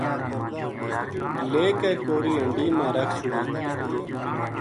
لے کے کوری ہنڈی ما ر کھ چھُڑی